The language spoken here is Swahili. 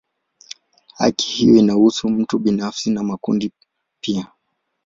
Haki hiyo inahusu mtu binafsi na makundi pia.